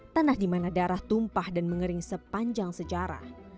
tanah dimana darah tumpah dan mengering sepanjang sejarah